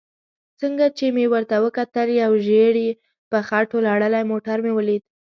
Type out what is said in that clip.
څنګه چې مې ورته وکتل یو ژېړ په خټو لړلی موټر مې ولید.